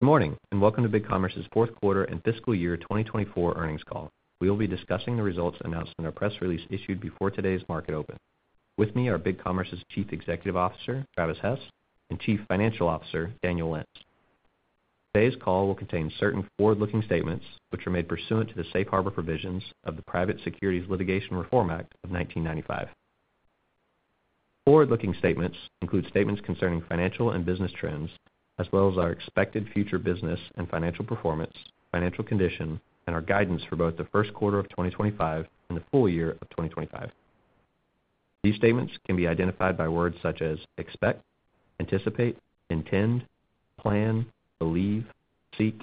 Good morning, and welcome to BigCommerce's Fourth Quarter and Fiscal Year 2024 Earnings Call. We will be discussing the results announced in our press release issued before today's market open. With me are BigCommerce's Chief Executive Officer, Travis Hess, and Chief Financial Officer, Daniel Lentz. Today's call will contain certain forward-looking statements, which are made pursuant to the Safe Harbor Provisions of the Private Securities Litigation Reform Act of 1995. Forward-looking statements include statements concerning financial and business trends, as well as our expected future business and financial performance, financial condition, and our guidance for both the first quarter of 2025 and the full year of 2025. These statements can be identified by words such as expect, anticipate, intend, plan, believe, seek,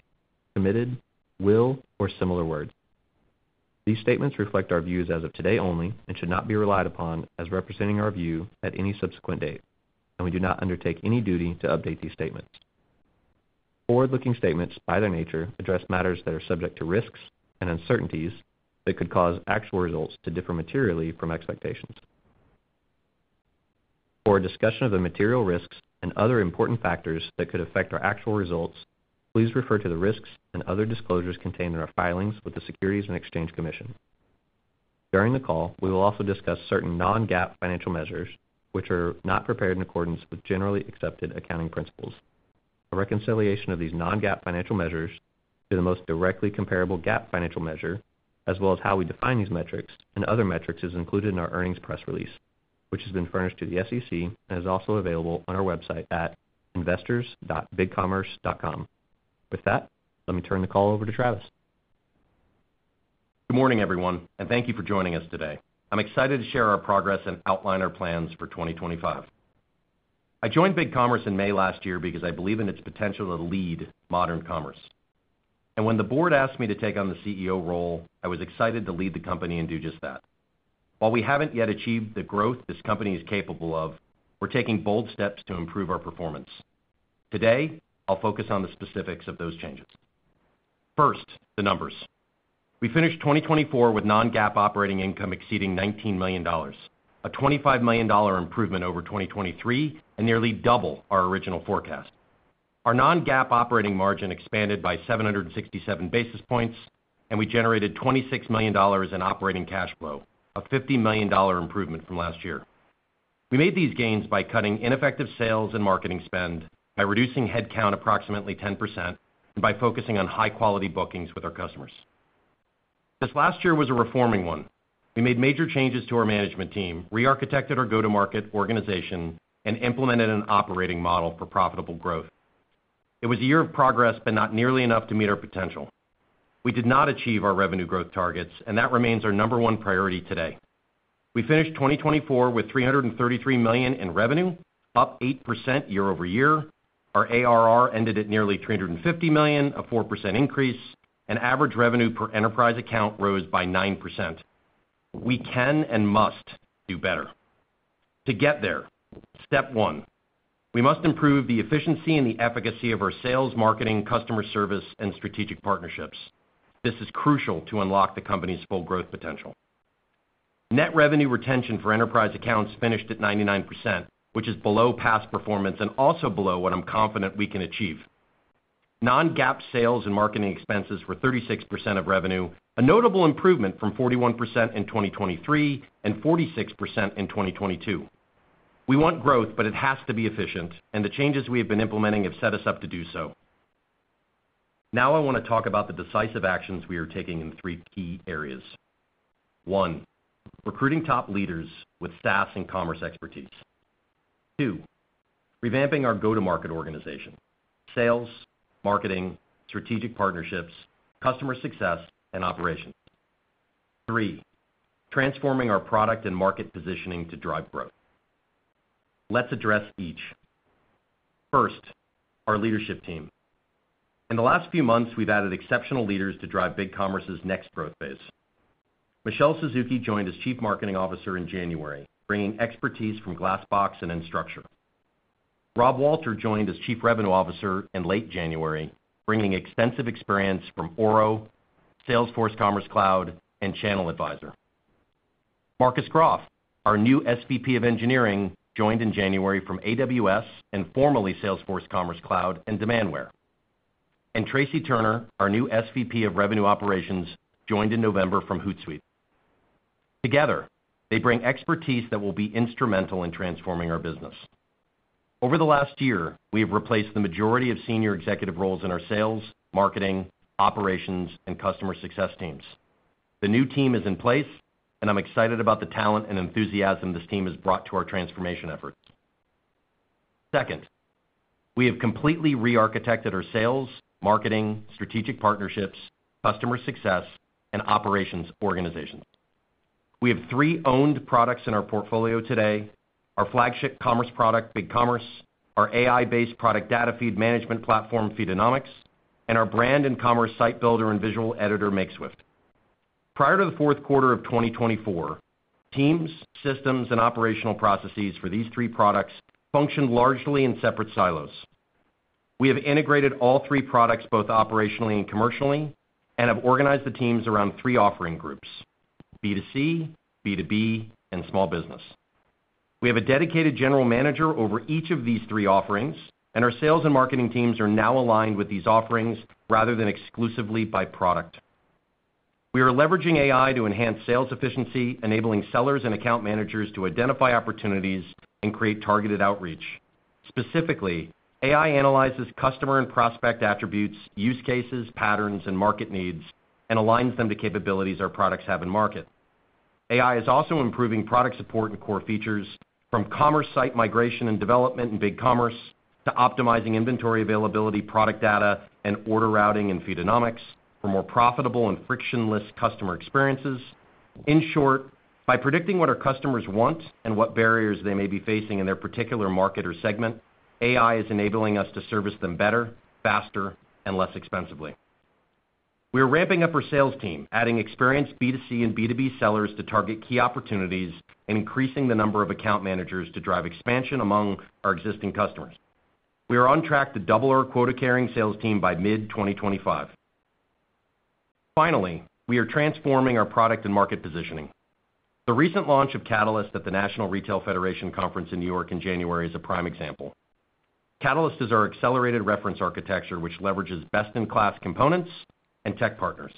committed, will, or similar words. These statements reflect our views as of today only and should not be relied upon as representing our view at any subsequent date, and we do not undertake any duty to update these statements. Forward-looking statements, by their nature, address matters that are subject to risks and uncertainties that could cause actual results to differ materially from expectations. For a discussion of the material risks and other important factors that could affect our actual results, please refer to the risks and other disclosures contained in our filings with the Securities and Exchange Commission. During the call, we will also discuss certain Non-GAAP financial measures, which are not prepared in accordance with generally accepted accounting principles. A reconciliation of these non-GAAP financial measures to the most directly comparable GAAP financial measure, as well as how we define these metrics and other metrics, is included in our earnings press release, which has been furnished to the SEC and is also available on our website at investors.bigcommerce.com. With that, let me turn the call over to Travis. Good morning, everyone, and thank you for joining us today. I'm excited to share our progress and outline our plans for 2025. I joined BigCommerce in May last year because I believe in its potential to lead modern commerce, and when the board asked me to take on the CEO role, I was excited to lead the company and do just that. While we haven't yet achieved the growth this company is capable of, we're taking bold steps to improve our performance. Today, I'll focus on the specifics of those changes. First, the numbers. We finished 2024 with non-GAAP operating income exceeding $19 million, a $25 million improvement over 2023 and nearly double our original forecast. Our non-GAAP operating margin expanded by 767 basis points, and we generated $26 million in operating cash flow, a $50 million improvement from last year. We made these gains by cutting ineffective sales and marketing spend, by reducing headcount approximately 10%, and by focusing on high-quality bookings with our customers. This last year was a transforming one. We made major changes to our management team, re-architected our go-to-market organization, and implemented an operating model for profitable growth. It was a year of progress, but not nearly enough to meet our potential. We did not achieve our revenue growth targets, and that remains our number one priority today. We finished 2024 with $333 million in revenue, up 8% year over year. Our ARR ended at nearly $350 million, a 4% increase, and average revenue per enterprise account rose by 9%. We can and must do better. To get there, step one, we must improve the efficiency and the efficacy of our sales, marketing, customer service, and strategic partnerships. This is crucial to unlock the company's full growth potential. Net revenue retention for enterprise accounts finished at 99%, which is below past performance and also below what I'm confident we can achieve. Non-GAAP sales and marketing expenses were 36% of revenue, a notable improvement from 41% in 2023 and 46% in 2022. We want growth, but it has to be efficient, and the changes we have been implementing have set us up to do so. Now I want to talk about the decisive actions we are taking in three key areas. One, recruiting top leaders with SaaS and commerce expertise. Two, revamping our go-to-market organization: sales, marketing, strategic partnerships, customer success, and operations. Three, transforming our product and market positioning to drive growth. Let's address each. First, our leadership team. In the last few months, we've added exceptional leaders to drive BigCommerce's next growth phase. Michelle Suzuki joined as Chief Marketing Officer in January, bringing expertise from Glassbox and Instructure. Rob Walter joined as Chief Revenue Officer in late January, bringing extensive experience from Oro, Salesforce Commerce Cloud, and ChannelAdvisor. Marcus Groff, our new SVP of Engineering, joined in January from AWS and formerly Salesforce Commerce Cloud and Demandware. And Tracy Turner, our new SVP of Revenue Operations, joined in November from Hootsuite. Together, they bring expertise that will be instrumental in transforming our business. Over the last year, we have replaced the majority of senior executive roles in our sales, marketing, operations, and customer success teams. The new team is in place, and I'm excited about the talent and enthusiasm this team has brought to our transformation efforts. Second, we have completely re-architected our sales, marketing, strategic partnerships, customer success, and operations organizations. We have three owned products in our portfolio today: our flagship commerce product, BigCommerce, our AI-based product data feed management platform, Feedonomics, and our brand and commerce site builder and visual editor, Makeswift. Prior to the fourth quarter of 2024, teams, systems, and operational processes for these three products functioned largely in separate silos. We have integrated all three products both operationally and commercially and have organized the teams around three offering groups: B2C, B2B, and small business. We have a dedicated general manager over each of these three offerings, and our sales and marketing teams are now aligned with these offerings rather than exclusively by product. We are leveraging AI to enhance sales efficiency, enabling sellers and account managers to identify opportunities and create targeted outreach. Specifically, AI analyzes customer and prospect attributes, use cases, patterns, and market needs, and aligns them to capabilities our products have in market. AI is also improving product support and core features, from commerce site migration and development in BigCommerce to optimizing inventory availability, product data, and order routing in Feedonomics for more profitable and frictionless customer experiences. In short, by predicting what our customers want and what barriers they may be facing in their particular market or segment, AI is enabling us to service them better, faster, and less expensively. We are ramping up our sales team, adding experienced B2C and B2B sellers to target key opportunities, and increasing the number of account managers to drive expansion among our existing customers. We are on track to double our quota-carrying sales team by mid-2025. Finally, we are transforming our product and market positioning. The recent launch of Catalyst at the National Retail Federation Conference in New York in January is a prime example. Catalyst is our accelerated reference architecture, which leverages best-in-class components and tech partners,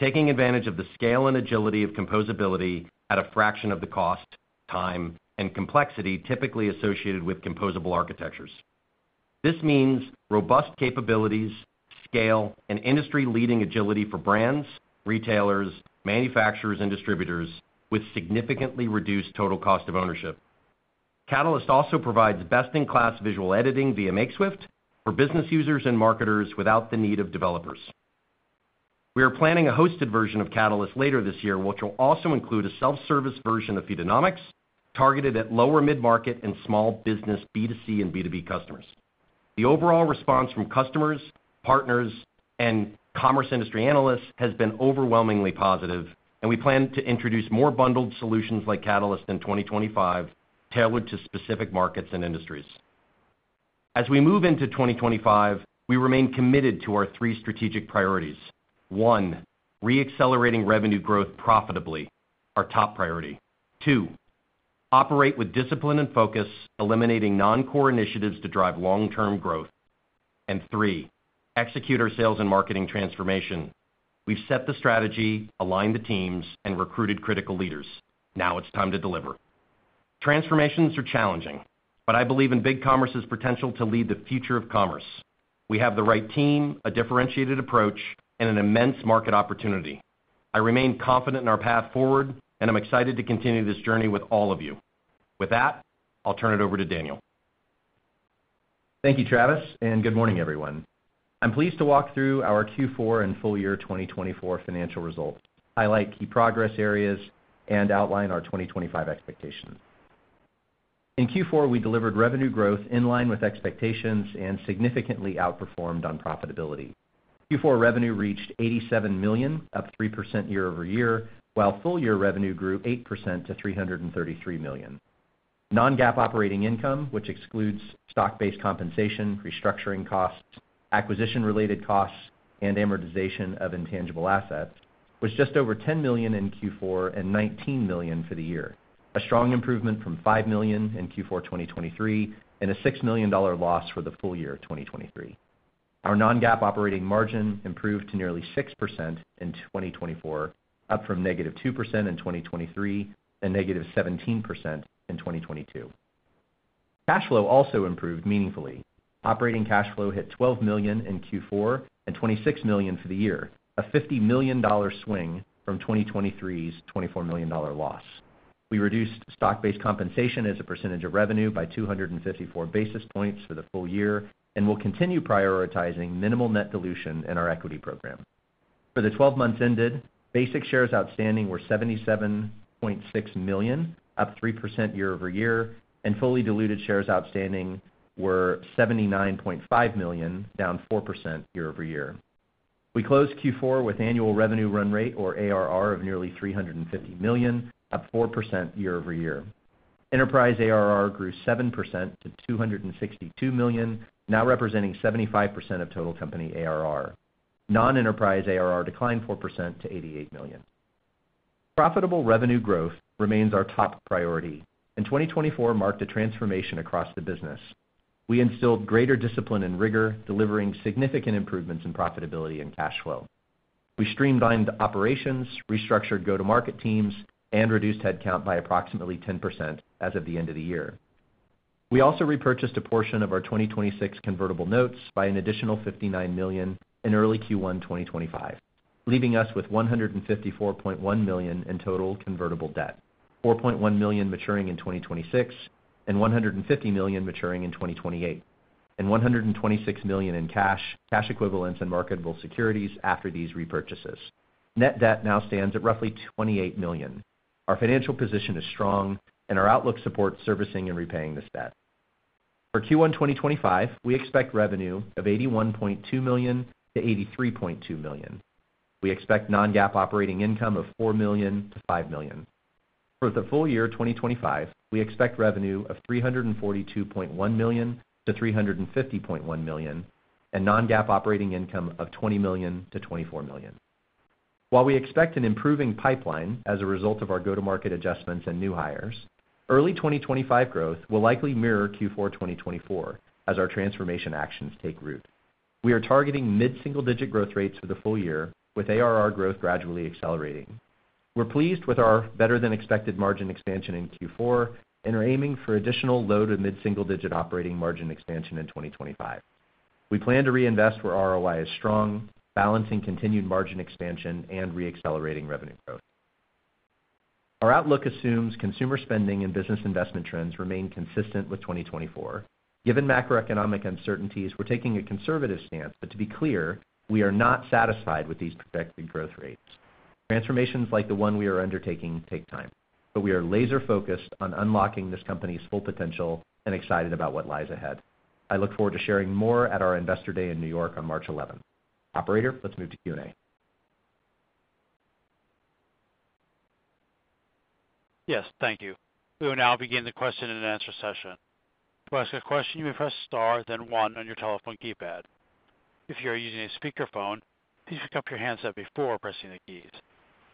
taking advantage of the scale and agility of composability at a fraction of the cost, time, and complexity typically associated with composable architectures. This means robust capabilities, scale, and industry-leading agility for brands, retailers, manufacturers, and distributors with significantly reduced total cost of ownership. Catalyst also provides best-in-class visual editing via Makeswift for business users and marketers without the need of developers. We are planning a hosted version of Catalyst later this year, which will also include a self-service version of Feedonomics targeted at lower mid-market and small business B2C and B2B customers. The overall response from customers, partners, and commerce industry analysts has been overwhelmingly positive, and we plan to introduce more bundled solutions like Catalyst in 2025 tailored to specific markets and industries. As we move into 2025, we remain committed to our three strategic priorities. One, re-accelerating revenue growth profitably, our top priority. Two, operate with discipline and focus, eliminating non-core initiatives to drive long-term growth, and three, execute our sales and marketing transformation. We've set the strategy, aligned the teams, and recruited critical leaders. Now it's time to deliver. Transformations are challenging, but I believe in BigCommerce's potential to lead the future of commerce. We have the right team, a differentiated approach, and an immense market opportunity. I remain confident in our path forward, and I'm excited to continue this journey with all of you. With that, I'll turn it over to Daniel. Thank you, Travis, and good morning, everyone. I'm pleased to walk through our Q4 and full year 2024 financial results, highlight key progress areas, and outline our 2025 expectations. In Q4, we delivered revenue growth in line with expectations and significantly outperformed on profitability. Q4 revenue reached $87 million, up 3% year over year, while full year revenue grew 8% to $333 million. Non-GAAP operating income, which excludes stock-based compensation, restructuring costs, acquisition-related costs, and amortization of intangible assets, was just over $10 million in Q4 and $19 million for the year, a strong improvement from $5 million in Q4 2023 and a $6 million loss for the full year 2023. Our non-GAAP operating margin improved to nearly 6% in 2024, up from -2% in 2023 and -17% in 2022. Cash flow also improved meaningfully. Operating cash flow hit $12 million in Q4 and $26 million for the year, a $50 million swing from 2023's $24 million loss. We reduced stock-based compensation as a percentage of revenue by 254 basis points for the full year and will continue prioritizing minimal net dilution in our equity program. For the 12 months ended, basic shares outstanding were 77.6 million, up 3% year over year, and fully diluted shares outstanding were 79.5 million, down 4% year over year. We closed Q4 with annual revenue run rate, or ARR, of nearly $350 million, up 4% year over year. Enterprise ARR grew 7% to $262 million, now representing 75% of total company ARR. Non-enterprise ARR declined 4% to $88 million. Profitable revenue growth remains our top priority, and 2024 marked a transformation across the business. We instilled greater discipline and rigor, delivering significant improvements in profitability and cash flow. We streamlined operations, restructured go-to-market teams, and reduced headcount by approximately 10% as of the end of the year. We also repurchased a portion of our 2026 convertible notes by an additional $59 million in early Q1 2025, leaving us with $154.1 million in total convertible debt, $4.1 million maturing in 2026, and $150 million maturing in 2028, and $126 million in cash, cash equivalents, and marketable securities after these repurchases. Net debt now stands at roughly $28 million. Our financial position is strong, and our outlook supports servicing and repaying this debt. For Q1 2025, we expect revenue of $81.2 million-$83.2 million. We expect non-GAAP operating income of $4 million-$5 million. For the full year 2025, we expect revenue of $342.1 million-$350.1 million and non-GAAP operating income of $20 million-$24 million. While we expect an improving pipeline as a result of our go-to-market adjustments and new hires, early 2025 growth will likely mirror Q4 2024 as our transformation actions take root. We are targeting mid-single-digit growth rates for the full year, with ARR growth gradually accelerating. We're pleased with our better-than-expected margin expansion in Q4 and are aiming for additional low to mid-single-digit operating margin expansion in 2025. We plan to reinvest where ROI is strong, balancing continued margin expansion and re-accelerating revenue growth. Our outlook assumes consumer spending and business investment trends remain consistent with 2024. Given macroeconomic uncertainties, we're taking a conservative stance, but to be clear, we are not satisfied with these projected growth rates. Transformations like the one we are undertaking take time, but we are laser-focused on unlocking this company's full potential and excited about what lies ahead. I look forward to sharing more at our investor day in New York on March 11. Operator, let's move to Q and A. Yes, thank you. We will now begin the question and answer session. To ask a question, you may press star then one on your telephone keypad. If you are using a speakerphone, please pick up your handset before pressing the keys.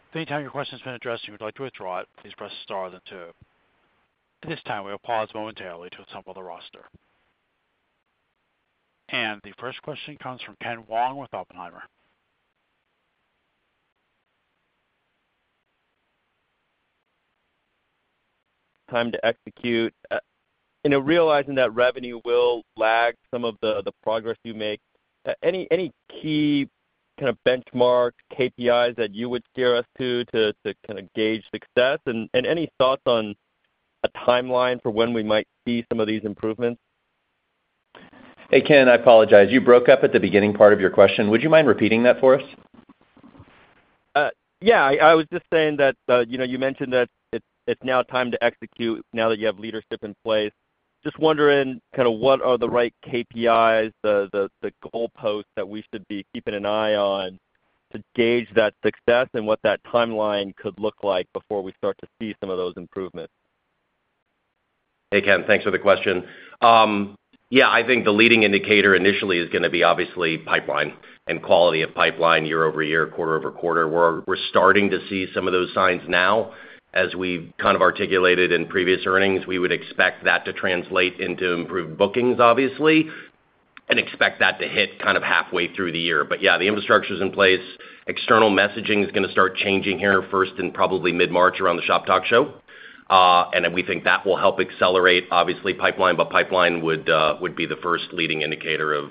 If any time your question has been addressed and you would like to withdraw it, please press star then two. At this time, we will pause momentarily to assemble the roster, and the first question comes from Ken Wong with Oppenheimer. Time to execute. You know, realizing that revenue will lag some of the progress you make, any key kind of benchmarks, KPIs that you would steer us to kind of gauge success? And any thoughts on a timeline for when we might see some of these improvements? Hey, Ken, I apologize. You broke up at the beginning part of your question. Would you mind repeating that for us? Yeah, I was just saying that, you know, you mentioned that it's now time to execute now that you have leadership in place. Just wondering kind of what are the right KPIs, the goalposts that we should be keeping an eye on to gauge that success and what that timeline could look like before we start to see some of those improvements? Hey, Ken, thanks for the question. Yeah, I think the leading indicator initially is going to be obviously pipeline and quality of pipeline year over year, quarter over quarter. We're starting to see some of those signs now. As we've kind of articulated in previous earnings, we would expect that to translate into improved bookings, obviously, and expect that to hit kind of halfway through the year, but yeah, the infrastructure is in place. External messaging is going to start changing here first in probably mid-March around the Shoptalk show, and we think that will help accelerate, obviously, pipeline, but pipeline would be the first leading indicator of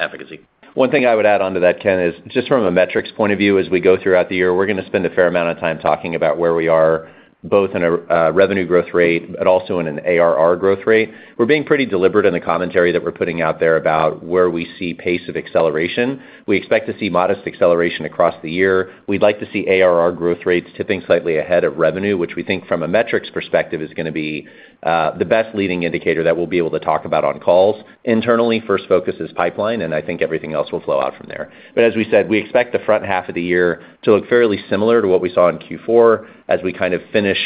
efficacy. One thing I would add on to that, Ken, is just from a metrics point of view, as we go throughout the year, we're going to spend a fair amount of time talking about where we are, both in a revenue growth rate but also in an ARR growth rate. We're being pretty deliberate in the commentary that we're putting out there about where we see pace of acceleration. We expect to see modest acceleration across the year. We'd like to see ARR growth rates tipping slightly ahead of revenue, which we think from a metrics perspective is going to be the best leading indicator that we'll be able to talk about on calls. Internally, first focus is pipeline, and I think everything else will flow out from there. But as we said, we expect the front half of the year to look fairly similar to what we saw in Q4 as we kind of finish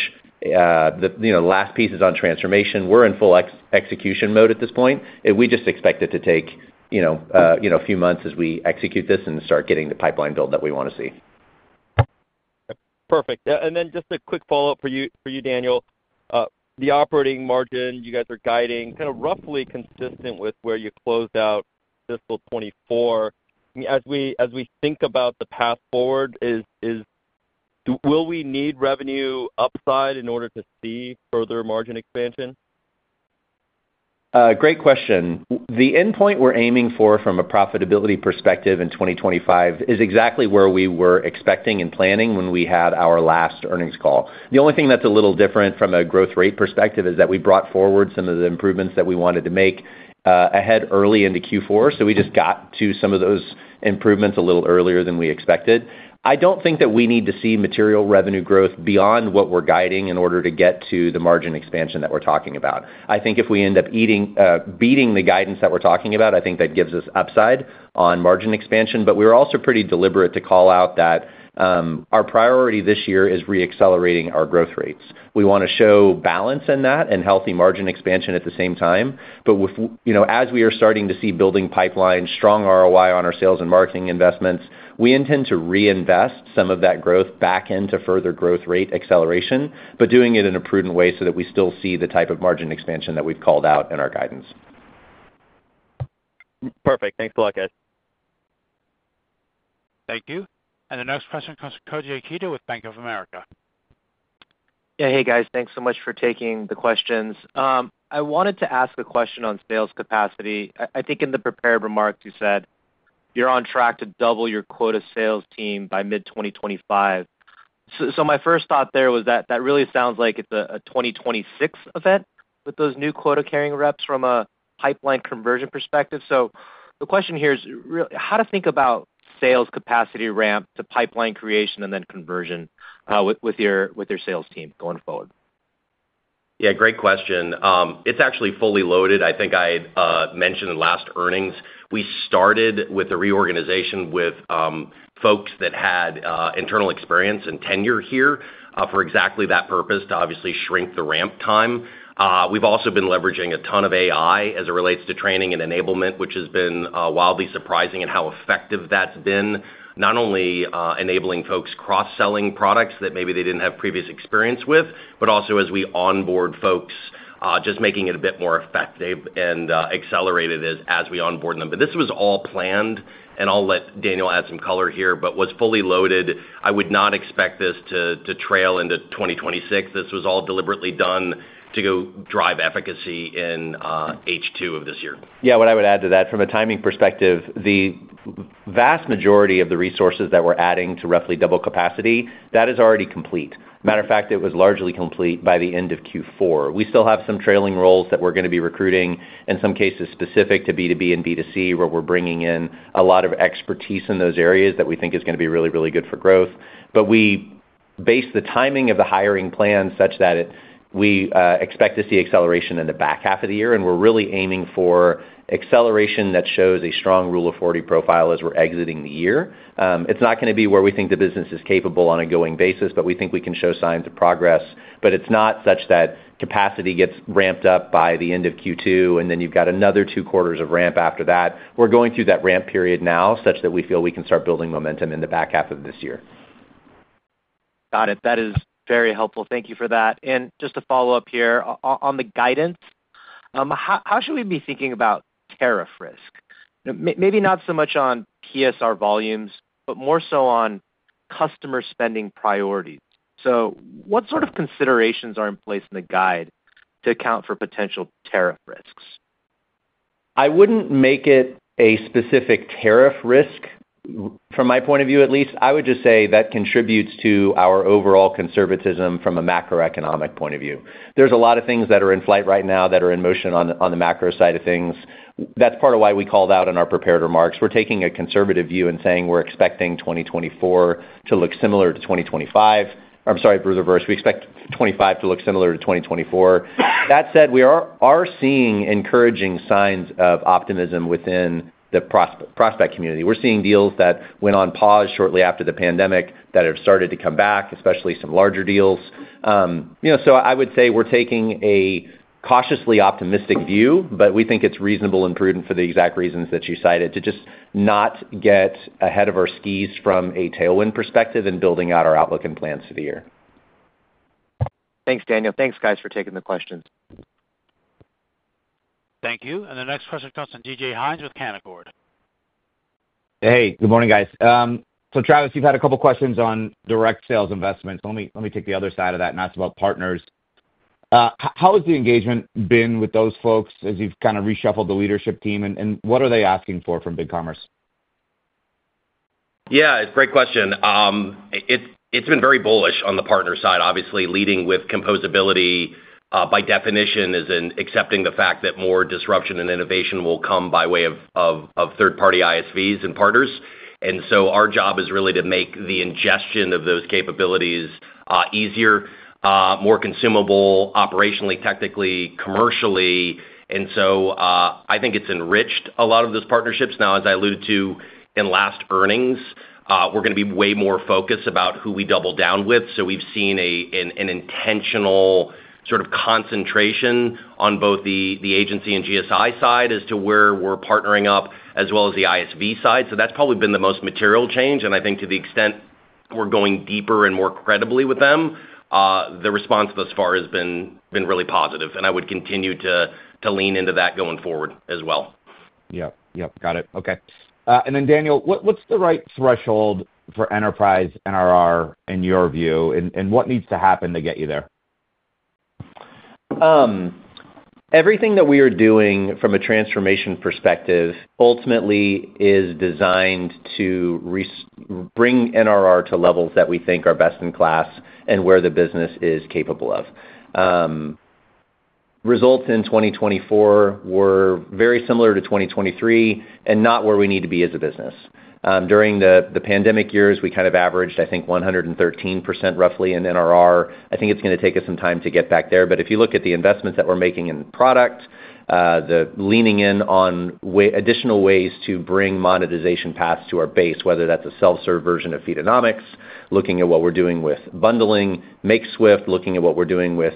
the last pieces on transformation. We're in full execution mode at this point. We just expect it to take, you know, a few months as we execute this and start getting the pipeline build that we want to see. Perfect. And then just a quick follow-up for you, Daniel. The operating margin you guys are guiding kind of roughly consistent with where you closed out fiscal 2024. As we think about the path forward, will we need revenue upside in order to see further margin expansion? Great question. The endpoint we're aiming for from a profitability perspective in 2025 is exactly where we were expecting and planning when we had our last earnings call. The only thing that's a little different from a growth rate perspective is that we brought forward some of the improvements that we wanted to make ahead early into Q4. So we just got to some of those improvements a little earlier than we expected. I don't think that we need to see material revenue growth beyond what we're guiding in order to get to the margin expansion that we're talking about. I think if we end up beating the guidance that we're talking about, I think that gives us upside on margin expansion. But we were also pretty deliberate to call out that our priority this year is re-accelerating our growth rates. We want to show balance in that and healthy margin expansion at the same time. But as we are starting to see building pipeline, strong ROI on our sales and marketing investments, we intend to reinvest some of that growth back into further growth rate acceleration, but doing it in a prudent way so that we still see the type of margin expansion that we've called out in our guidance. Perfect. Thanks a lot, guys. Thank you. And the next question comes from Koji Ikeda with Bank of America. Yeah, hey, guys. Thanks so much for taking the questions. I wanted to ask a question on sales capacity. I think in the prepared remarks, you said you're on track to double your quota sales team by mid-2025. So my first thought there was that that really sounds like it's a 2026 event with those new quota-carrying reps from a pipeline conversion perspective. So the question here is how to think about sales capacity ramp to pipeline creation and then conversion with your sales team going forward? Yeah, great question. It's actually fully loaded. I think I mentioned in last earnings, we started with a reorganization with folks that had internal experience and tenure here for exactly that purpose to obviously shrink the ramp time. We've also been leveraging a ton of AI as it relates to training and enablement, which has been wildly surprising in how effective that's been, not only enabling folks cross-selling products that maybe they didn't have previous experience with, but also as we onboard folks, just making it a bit more effective and accelerated as we onboard them. But this was all planned, and I'll let Daniel add some color here, but was fully loaded. I would not expect this to trail into 2026. This was all deliberately done to go drive efficacy in H2 of this year. Yeah, what I would add to that, from a timing perspective, the vast majority of the resources that we're adding to roughly double capacity, that is already complete. Matter of fact, it was largely complete by the end of Q4. We still have some trailing roles that we're going to be recruiting in some cases specific to B2B and B2C, where we're bringing in a lot of expertise in those areas that we think is going to be really, really good for growth. But we base the timing of the hiring plan such that we expect to see acceleration in the back half of the year, and we're really aiming for acceleration that shows a strong Rule of 40 profile as we're exiting the year. It's not going to be where we think the business is capable on a going basis, but we think we can show signs of progress. But it's not such that capacity gets ramped up by the end of Q2, and then you've got another two quarters of ramp after that. We're going through that ramp period now such that we feel we can start building momentum in the back half of this year. Got it. That is very helpful. Thank you for that. And just to follow up here on the guidance, how should we be thinking about tariff risk? Maybe not so much on PSR volumes, but more so on customer spending priorities. So what sort of considerations are in place in the guidance to account for potential tariff risks? I wouldn't make it a specific tariff risk. From my point of view, at least, I would just say that contributes to our overall conservatism from a macroeconomic point of view. There's a lot of things that are in flight right now that are in motion on the macro side of things. That's part of why we call that in our prepared remarks. We're taking a conservative view and saying we're expecting 2024 to look similar to 2025. I'm sorry, reverse. We expect 2025 to look similar to 2024. That said, we are seeing encouraging signs of optimism within the prospect community. We're seeing deals that went on pause shortly after the pandemic that have started to come back, especially some larger deals. So I would say we're taking a cautiously optimistic view, but we think it's reasonable and prudent for the exact reasons that you cited to just not get ahead of our skis from a tailwind perspective in building out our outlook and plans for the year. Thanks, Daniel. Thanks, guys, for taking the questions. Thank you. The next question comes from DJ Hynes with Canaccord. Hey, good morning, guys. So, Travis, you've had a couple of questions on direct sales investments. Let me take the other side of that, and that's about partners. How has the engagement been with those folks as you've kind of reshuffled the leadership team, and what are they asking for from BigCommerce? Yeah, it's a great question. It's been very bullish on the partner side, obviously leading with composability by definition as in accepting the fact that more disruption and innovation will come by way of third-party ISVs and partners. And so our job is really to make the ingestion of those capabilities easier, more consumable operationally, technically, commercially. And so I think it's enriched a lot of those partnerships. Now, as I alluded to in last earnings, we're going to be way more focused about who we double down with. So we've seen an intentional sort of concentration on both the agency and GSI side as to where we're partnering up as well as the ISV side. So that's probably been the most material change. And I think to the extent we're going deeper and more credibly with them, the response thus far has been really positive. And I would continue to lean into that going forward as well. Yep, yep. Got it. Okay. And then, Daniel, what's the right threshold for enterprise NRR in your view, and what needs to happen to get you there? Everything that we are doing from a transformation perspective ultimately is designed to bring NRR to levels that we think are best in class and where the business is capable of. Results in 2024 were very similar to 2023 and not where we need to be as a business. During the pandemic years, we kind of averaged, I think, 113% roughly in NRR. I think it's going to take us some time to get back there, but if you look at the investments that we're making in product, the leaning in on additional ways to bring monetization paths to our base, whether that's a self-serve version of Feedonomics, looking at what we're doing with bundling, Makeswift, looking at what we're doing with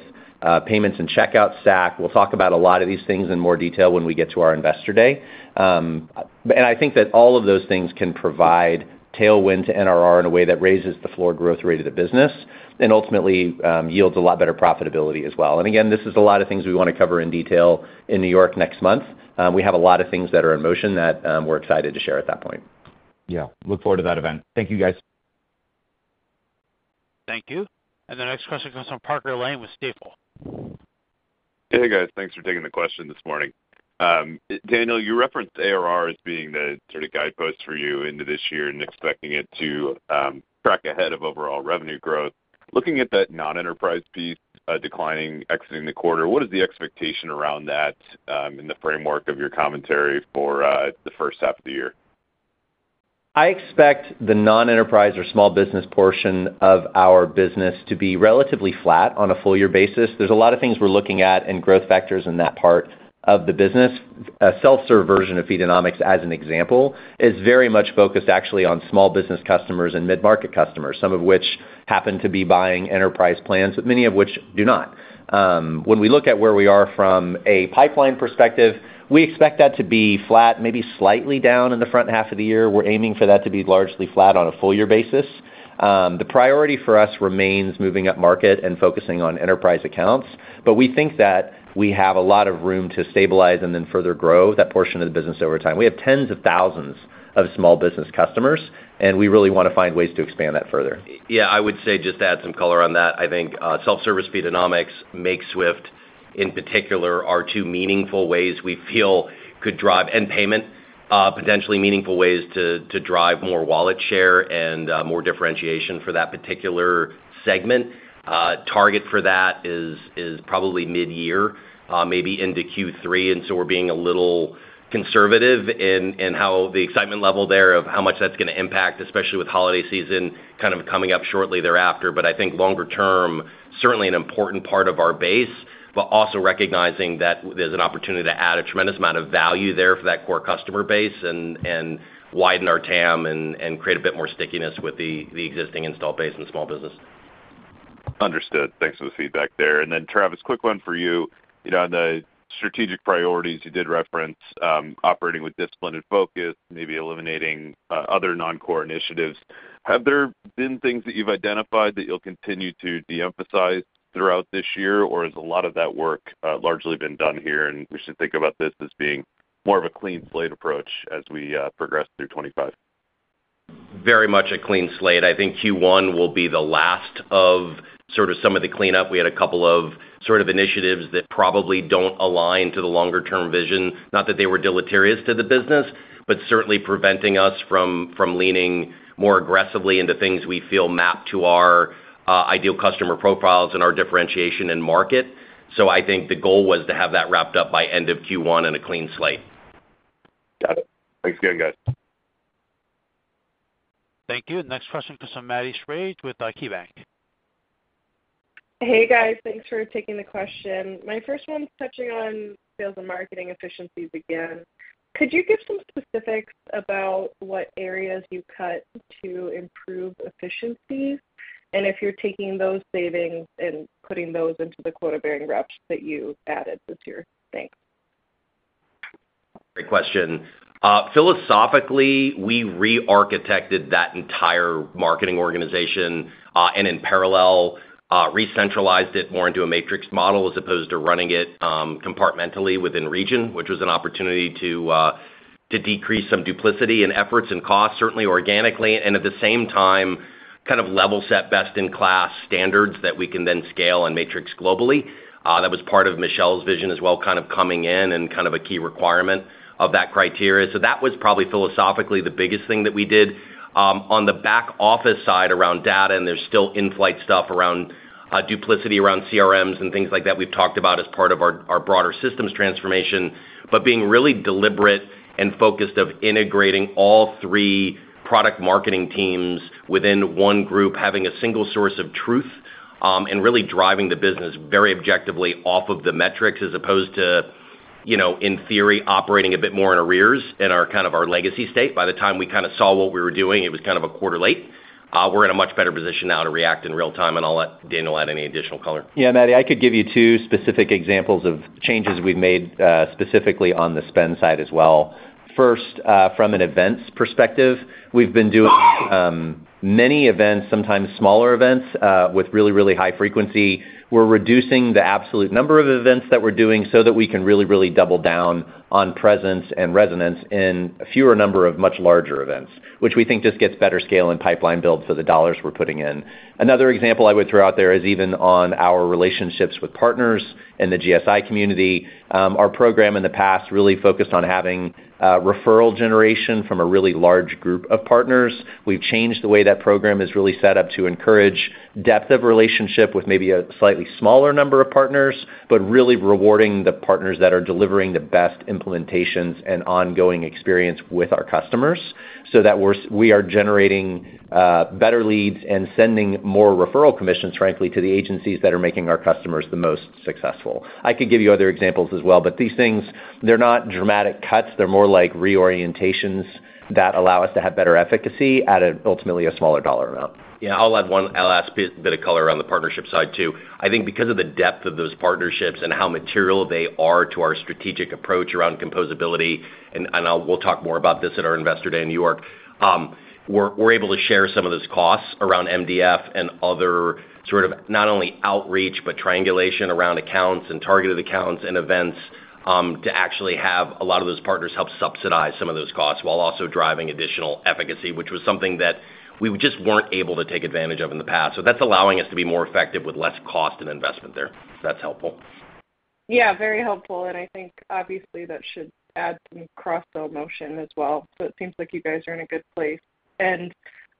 payments and checkout stack. We'll talk about a lot of these things in more detail when we get to our investor day, and I think that all of those things can provide tailwind to NRR in a way that raises the floor growth rate of the business and ultimately yields a lot better profitability as well, and again, this is a lot of things we want to cover in detail in New York next month. We have a lot of things that are in motion that we're excited to share at that point. Yeah, look forward to that event. Thank you, guys. Thank you. And the next question comes from Parker Lane with Stifel. Hey, guys. Thanks for taking the question this morning. Daniel, you referenced ARR as being the sort of guidepost for you into this year and expecting it to track ahead of overall revenue growth. Looking at that non-enterprise piece declining exiting the quarter, what is the expectation around that in the framework of your commentary for the first half of the year? I expect the non-enterprise or small business portion of our business to be relatively flat on a full-year basis. There's a lot of things we're looking at and growth factors in that part of the business. A self-serve version of Feedonomics, as an example, is very much focused actually on small business customers and mid-market customers, some of which happen to be buying enterprise plans, but many of which do not. When we look at where we are from a pipeline perspective, we expect that to be flat, maybe slightly down in the front half of the year. We're aiming for that to be largely flat on a full-year basis. The priority for us remains moving up market and focusing on enterprise accounts, but we think that we have a lot of room to stabilize and then further grow that portion of the business over time. We have tens of thousands of small business customers, and we really want to find ways to expand that further. Yeah, I would say just add some color on that. I think self-service Feedonomics, Makeswift in particular are two meaningful ways we feel could drive and payment, potentially meaningful ways to drive more wallet share and more differentiation for that particular segment. Target for that is probably mid-year, maybe into Q3. And so we're being a little conservative in how the excitement level there of how much that's going to impact, especially with holiday season kind of coming up shortly thereafter. But I think longer term, certainly an important part of our base, but also recognizing that there's an opportunity to add a tremendous amount of value there for that core customer base and widen our TAM and create a bit more stickiness with the existing installed base and small business. Understood. Thanks for the feedback there. And then, Travis, quick one for you. On the strategic priorities, you did reference operating with discipline and focus, maybe eliminating other non-core initiatives. Have there been things that you've identified that you'll continue to de-emphasize throughout this year, or has a lot of that work largely been done here? And we should think about this as being more of a clean slate approach as we progress through 2025. Very much a clean slate. I think Q1 will be the last of sort of some of the cleanup. We had a couple of sort of initiatives that probably don't align to the longer-term vision. Not that they were deleterious to the business, but certainly preventing us from leaning more aggressively into things we feel map to our ideal customer profiles and our differentiation in market. So I think the goal was to have that wrapped up by end of Q1 in a clean slate. Got it. Thanks again, guys. Thank you. Next question comes from Maddie Schrage with KeyBanc. Hey, guys. Thanks for taking the question. My first one's touching on sales and marketing efficiencies again. Could you give some specifics about what areas you cut to improve efficiencies and if you're taking those savings and putting those into the quota-bearing reps that you added this year? Thanks. Great question. Philosophically, we re-architected that entire marketing organization and in parallel re-centralized it more into a matrix model as opposed to running it compartmentally within region, which was an opportunity to decrease some duplication in efforts and costs, certainly organically, and at the same time kind of level set best-in-class standards that we can then scale and matrix globally. That was part of Michelle's vision as well, kind of coming in and kind of a key requirement of that criteria. So that was probably philosophically the biggest thing that we did. On the back office side around data, and there's still in-flight stuff around duplication around CRMs and things like that we've talked about as part of our broader systems transformation, but being really deliberate and focused on integrating all three product marketing teams within one group, having a single source of truth and really driving the business very objectively off of the metrics as opposed to, in theory, operating a bit more in arrears in kind of our legacy state. By the time we kind of saw what we were doing, it was kind of a quarter late. We're in a much better position now to react in real time. And I'll let Daniel add any additional color. Yeah, Maddie, I could give you two specific examples of changes we've made specifically on the spend side as well. First, from an events perspective, we've been doing many events, sometimes smaller events with really, really high frequency. We're reducing the absolute number of events that we're doing so that we can really, really double down on presence and resonance in a fewer number of much larger events, which we think just gets better scale and pipeline build for the dollars we're putting in. Another example I would throw out there is even on our relationships with partners in the GSI community. Our program in the past really focused on having referral generation from a really large group of partners. We've changed the way that program is really set up to encourage depth of relationship with maybe a slightly smaller number of partners, but really rewarding the partners that are delivering the best implementations and ongoing experience with our customers so that we are generating better leads and sending more referral commissions, frankly, to the agencies that are making our customers the most successful. I could give you other examples as well, but these things, they're not dramatic cuts. They're more like reorientations that allow us to have better efficacy at ultimately a smaller dollar amount. Yeah, I'll add one last bit of color on the partnership side too. I think because of the depth of those partnerships and how material they are to our strategic approach around composability, and we'll talk more about this at our Investor Day in New York, we're able to share some of those costs around MDF and other sort of not only outreach, but triangulation around accounts and targeted accounts and events to actually have a lot of those partners help subsidize some of those costs while also driving additional efficacy, which was something that we just weren't able to take advantage of in the past. So that's allowing us to be more effective with less cost and investment there. That's helpful. Yeah, very helpful. And I think, obviously, that should add some cross-sell motion as well. So it seems like you guys are in a good place. And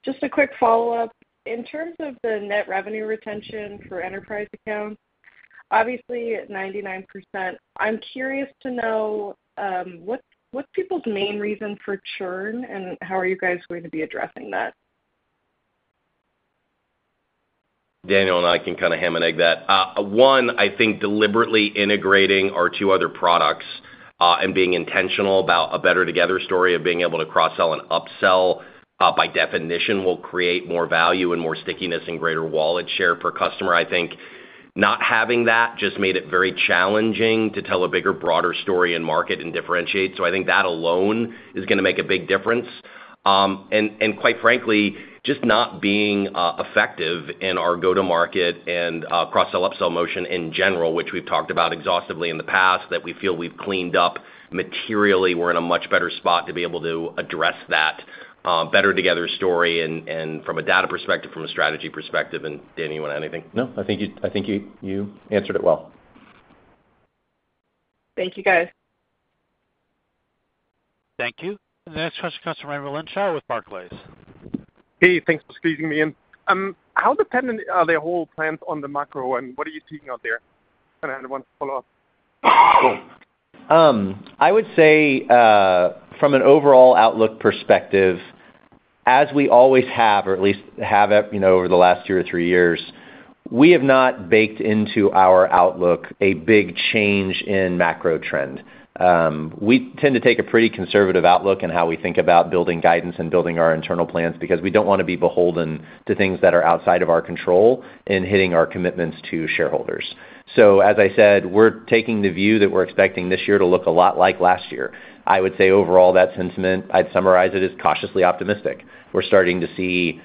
just a quick follow-up. In terms of the Net Revenue Retention for enterprise accounts, obviously at 99%, I'm curious to know what's people's main reason for churn and how are you guys going to be addressing that? Daniel and I can kind of hammer out that. One, I think deliberately integrating our two other products and being intentional about a better together story of being able to cross-sell and upsell by definition will create more value and more stickiness and greater wallet share per customer. I think not having that just made it very challenging to tell a bigger, broader story in market and differentiate. So I think that alone is going to make a big difference. And quite frankly, just not being effective in our go-to-market and cross-sell-upsell motion in general, which we've talked about exhaustively in the past that we feel we've cleaned up materially, we're in a much better spot to be able to address that better together story and from a data perspective, from a strategy perspective. And Daniel, anything? No, I think you answered it well. Thank you, guys. Thank you. And the next question comes from Raimo Lenschow with Barclays. Hey, thanks for squeezing me in. How dependent are the whole plans on the macro and what are you seeing out there? And I want to follow up. I would say from an overall outlook perspective, as we always have, or at least have over the last two or three years, we have not baked into our outlook a big change in macro trend. We tend to take a pretty conservative outlook in how we think about building guidance and building our internal plans because we don't want to be beholden to things that are outside of our control in hitting our commitments to shareholders. So as I said, we're taking the view that we're expecting this year to look a lot like last year. I would say overall that sentiment, I'd summarize it as cautiously optimistic. We're starting to see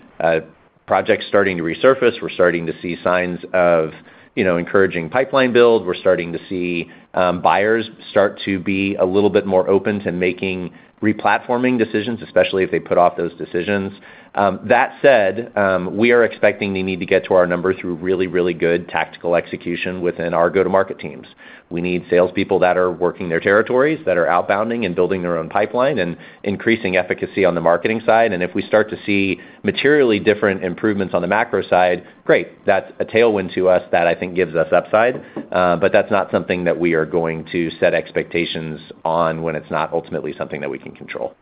projects starting to resurface. We're starting to see signs of encouraging pipeline build. We're starting to see buyers start to be a little bit more open to making re-platforming decisions, especially if they put off those decisions. That said, we are expecting the need to get to our numbers through really, really good tactical execution within our go-to-market teams. We need salespeople that are working their territories, that are outbounding and building their own pipeline and increasing efficacy on the marketing side. And if we start to see materially different improvements on the macro side, great. That's a tailwind to us that I think gives us upside. But that's not something that we are going to set expectations on when it's not ultimately something that we can control.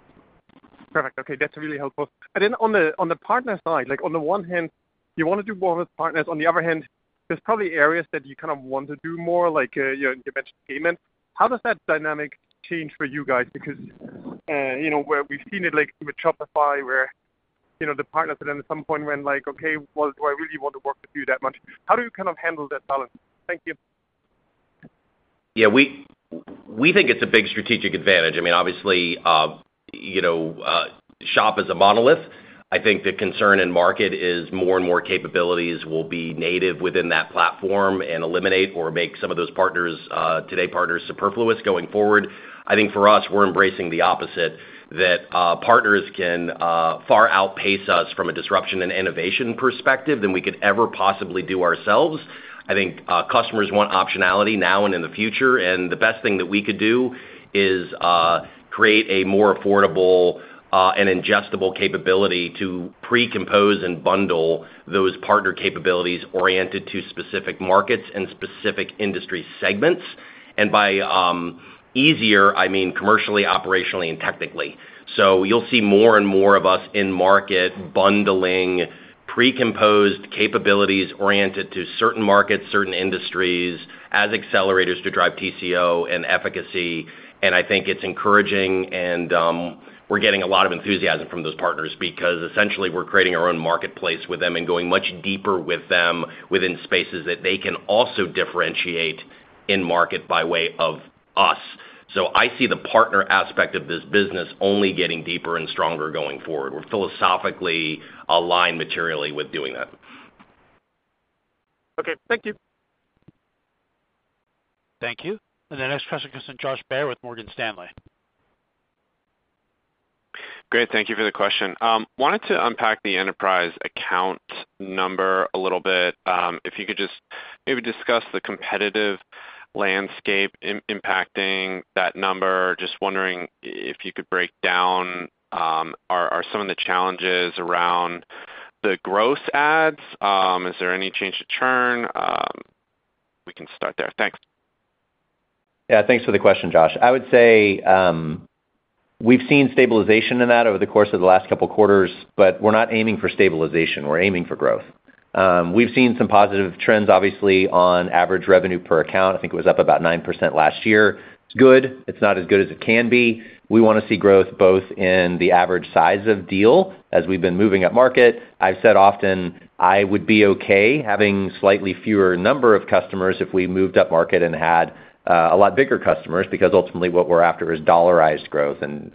Perfect. Okay. That's really helpful. And then on the partner side, on the one hand, you want to do more with partners. On the other hand, there's probably areas that you kind of want to do more, like you mentioned payments. How does that dynamic change for you guys? Because we've seen it with Shopify where the partners at some point went like, "Okay, well, do I really want to work with you that much?" How do you kind of handle that balance? Thank you. Yeah, we think it's a big strategic advantage. I mean, obviously, Shop is a monolith. I think the concern in market is more and more capabilities will be native within that platform and eliminate or make some of those partners, today partners, superfluous going forward. I think for us, we're embracing the opposite that partners can far outpace us from a disruption and innovation perspective than we could ever possibly do ourselves. I think customers want optionality now and in the future, and the best thing that we could do is create a more affordable and ingestible capability to pre-compose and bundle those partner capabilities oriented to specific markets and specific industry segments, and by easier, I mean commercially, operationally, and technically, so you'll see more and more of us in market bundling pre-composed capabilities oriented to certain markets, certain industries as accelerators to drive TCO and efficacy. I think it's encouraging, and we're getting a lot of enthusiasm from those partners because essentially we're creating our own marketplace with them and going much deeper with them within spaces that they can also differentiate in market by way of us. So I see the partner aspect of this business only getting deeper and stronger going forward. We're philosophically aligned materially with doing that. Okay. Thank you. Thank you. And the next question comes from Josh Baer with Morgan Stanley. Great. Thank you for the question. Wanted to unpack the enterprise account number a little bit. If you could just maybe discuss the competitive landscape impacting that number. Just wondering if you could break down. Are some of the challenges around the gross adds? Is there any change to churn? We can start there. Thanks. Yeah. Thanks for the question, Josh. I would say we've seen stabilization in that over the course of the last couple of quarters, but we're not aiming for stabilization. We're aiming for growth. We've seen some positive trends, obviously, on average revenue per account. I think it was up about 9% last year. It's good. It's not as good as it can be. We want to see growth both in the average size of deal as we've been moving up market. I've said often I would be okay having slightly fewer number of customers if we moved up market and had a lot bigger customers because ultimately what we're after is dollarized growth and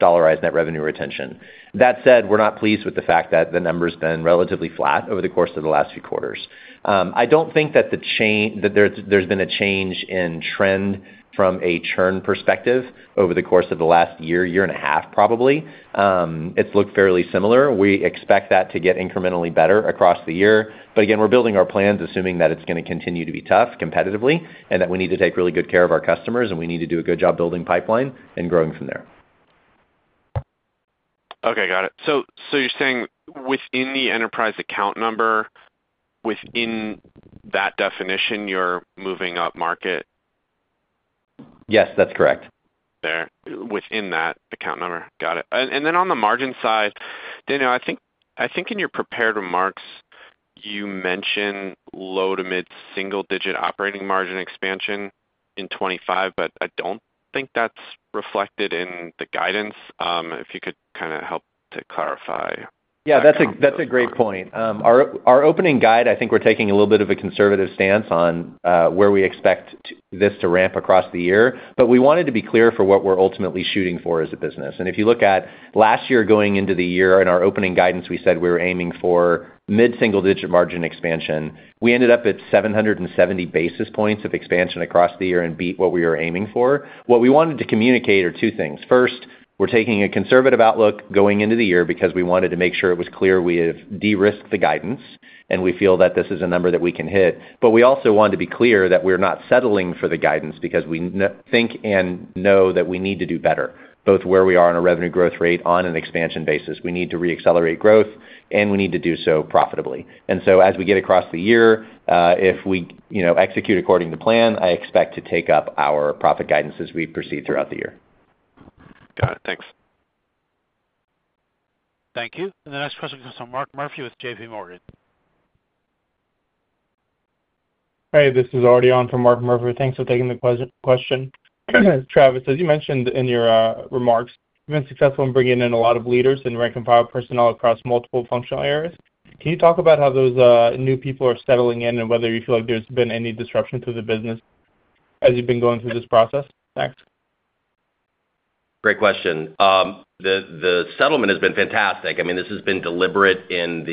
dollarized net revenue retention. That said, we're not pleased with the fact that the number's been relatively flat over the course of the last few quarters. I don't think that there's been a change in trend from a churn perspective over the course of the last year, year and a half probably. It's looked fairly similar. We expect that to get incrementally better across the year. But again, we're building our plans assuming that it's going to continue to be tough competitively and that we need to take really good care of our customers and we need to do a good job building pipeline and growing from there. Okay. Got it. So you're saying within the enterprise account number, within that definition, you're moving up market? Yes, that's correct. There. Within that account number. Got it. And then on the margin side, Daniel, I think in your prepared remarks, you mentioned low to mid single-digit operating margin expansion in 2025, but I don't think that's reflected in the guidance. If you could kind of help to clarify? Yeah, that's a great point. Our opening guide, I think we're taking a little bit of a conservative stance on where we expect this to ramp across the year, but we wanted to be clear for what we're ultimately shooting for as a business, and if you look at last year going into the year in our opening guidance, we said we were aiming for mid single-digit margin expansion. We ended up at 770 basis points of expansion across the year and beat what we were aiming for. What we wanted to communicate are two things. First, we're taking a conservative outlook going into the year because we wanted to make sure it was clear we have de-risked the guidance and we feel that this is a number that we can hit. But we also want to be clear that we're not settling for the guidance because we think and know that we need to do better, both where we are on a revenue growth rate on an expansion basis. We need to re-accelerate growth and we need to do so profitably. And so as we get across the year, if we execute according to plan, I expect to take up our profit guidance as we proceed throughout the year. Got it. Thanks. Thank you. And the next question comes from Mark Murphy with JPMorgan. Hey, this is Aadi on for Mark Murphy. Thanks for taking the question. Travis, as you mentioned in your remarks, you've been successful in bringing in a lot of leaders and rank-and-file personnel across multiple functional areas. Can you talk about how those new people are settling in and whether you feel like there's been any disruption to the business as you've been going through this process? Thanks. Great question. The settling has been fantastic. I mean, this has been deliberate in